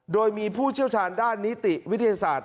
โดยมีผู้เชี่ยวชาญด้านนิติวิทยาศาสตร์